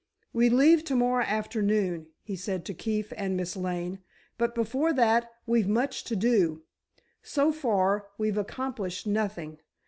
"We leave to morrow afternoon," he said to Keefe and Miss Lane. "But before that, we've much to do. So far, we've accomplished nothing.